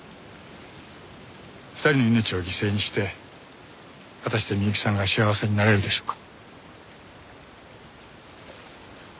２人の命を犠牲にして果たして美雪さんが幸せになれるでしょうか？